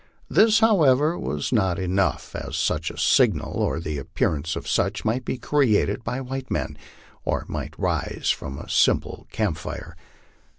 This, however, was not enough, as such a signal, or the appearance of such, might be created by white men, or might rise from a simple camp fire.